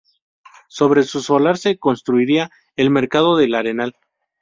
Sobre su solar se construiría el mercado del Arenal.